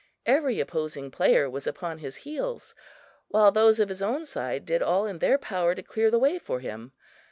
Every opposing player was upon his heels, while those of his own side did all in their power to clear the way for him.